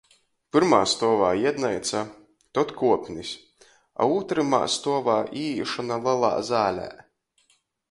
Pyrmajā stuovā iedneica, tod kuopnis, a ūtrymā stuovā īīšona lelā zālē.